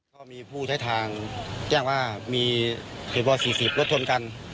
ก็มีผู้ใช้ทางแก้วว่ามีเปรียบรอ๔๐รถชนกัน